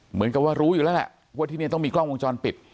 เหมือนกับว่ารู้อยู่แล้วแหละว่าที่นี่ต้องมีกล้องวงจรปิด